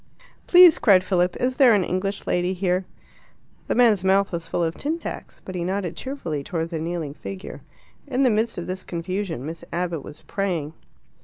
"Please," cried Philip, "is there an English lady here?" The man's mouth was full of tin tacks, but he nodded cheerfully towards a kneeling figure. In the midst of this confusion Miss Abbott was praying.